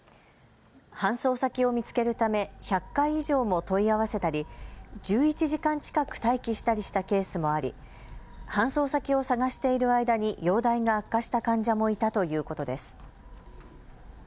搬送先を見つけるため１００回以上も問い合わせたり１１時間近く待機したりしたケースもあり搬送先を探している間に容体が悪化した患者もいたということです。